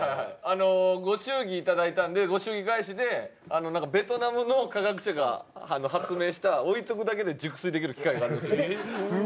あのご祝儀頂いたんでご祝儀返しで何かベトナムの科学者が発明した置いとくだけで熟睡できる機械があるんですよ。